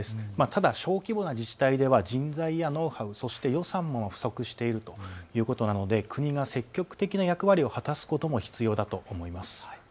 ただ小規模な自治体では人材やノウハウ、そして予算も不足しているということなので国が積極的な役割を果たすことも必要だと思います。